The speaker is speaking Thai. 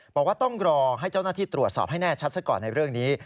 บอกว่าต้องรอให้เจ้าหน้าที่ตรวจสอบให้แน่ชัดซะก่อนในเรื่องนี้